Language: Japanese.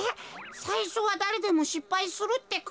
さいしょはだれでもしっぱいするってか？